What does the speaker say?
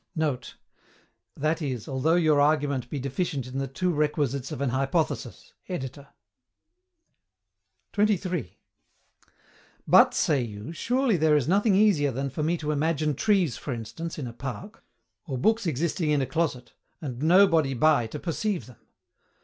[Note: i.e. although your argument be deficient in the two requisites of an hypothesis. Ed.] 23. But, say you, surely there is nothing easier than for me to imagine trees, for instance, in a park, or books existing in a closet, and nobody by to perceive them.